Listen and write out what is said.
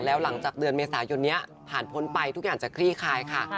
แล้วหลังจากเดือนเมษายนนี้ผ่านพ้นไปทุกอย่างจะคลี่คลายค่ะ